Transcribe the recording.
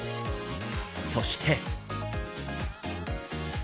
そして。